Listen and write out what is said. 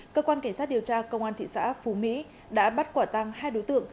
cơ quan kiểm soát điều tra công an thị xã phú mỹ đã bắt quả tăng hai đối tượng